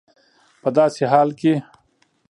په داسي حال کي